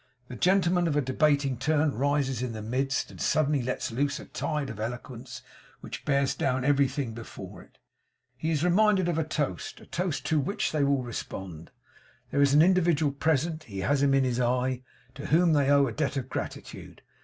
The gentleman of a debating turn rises in the midst, and suddenly lets loose a tide of eloquence which bears down everything before it. He is reminded of a toast a toast to which they will respond. There is an individual present; he has him in his eye; to whom they owe a debt of gratitude.